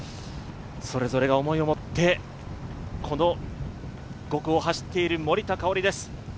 それぞれが思いを持って、この５区を走っている森田香織です。